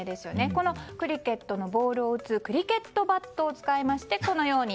このクリケットのボールを打つクリケットバットを使いましてこのように。